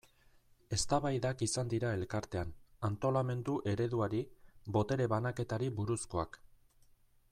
Eztabaidak izan dira Elkartean, antolamendu ereduari, botere banaketari buruzkoak.